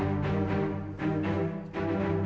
assalamualaikum warahmatullahi wabarakatuh